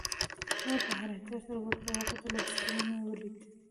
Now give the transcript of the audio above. هغه په حیرانتیا سره ورته وکتل او سکرین یې ولید